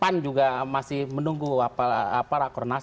dan juga masih menunggu para kronas